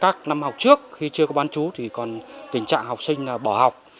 các năm học trước khi chưa có bán chú thì còn tình trạng học sinh bỏ học